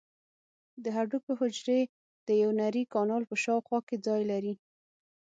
د هډوکو حجرې د یو نري کانال په شاوخوا کې ځای لري.